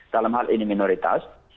dalam hal ini minoritas